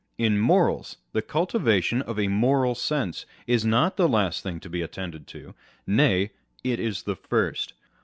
In morals, the cul tivation of a moral sense is not the last thing to be attended to â€" nay, it is the first.